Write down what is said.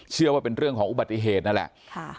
เชื่อว่าเป็นเรื่องของอุบัติเหตุนั่นแหละ